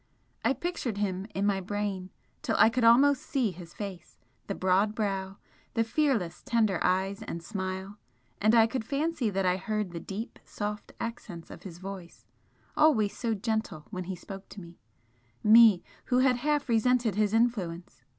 I pictured him in my brain till I could almost see his face, the broad brow, the fearless, tender eyes and smile and I could fancy that I heard the deep, soft accents of his voice, always so gentle when he spoke to me me, who had half resented his influence!